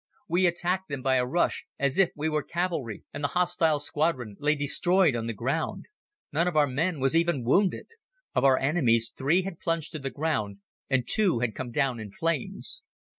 We attacked them by a rush as if we were cavalry and the hostile squadron lay destroyed on the ground. None of our men was even wounded. Of our enemies three had plunged to the ground and two had come down in flames.